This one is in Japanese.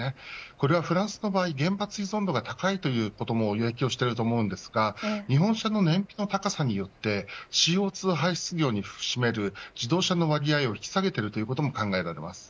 これはフランスの場合原発依存度が高いということも影響していると思いますが日本車の燃費の高さによってＣＯ２排出量に占める自動車の割合を引き下げているということも考えられます。